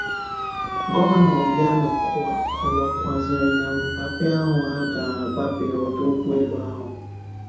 Gọvanọ Obianọ kọwakwazịrị na mgbape ahụ a ga-agbape ọdụ ụgbọelu ahụ